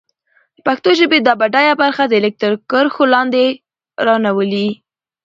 د پښتو ژبې دا بډايه برخه د ليک تر کرښو لاندې را نه ولي.